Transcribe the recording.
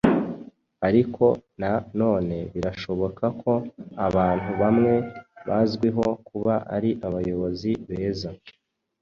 Ariko na none birashoboka ko abantu bamwe bazwiho kuba ari abayobozi beza